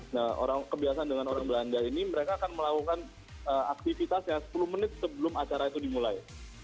nah kebiasaan dengan orang belanda ini mereka akan melakukan aktivitas yang sepuluh menit sebelum acara itu dimulai